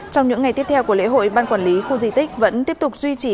trong những ngày tiếp theo của lễ hội ban quản lý khu di tích vẫn tiếp tục duy trì